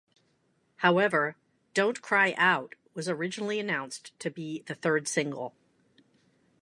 However, "Don't Cry Out" was originally announced to be the third single.